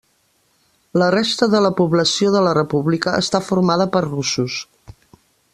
La resta de la població de la república està formada per russos.